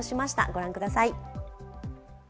ご覧ください。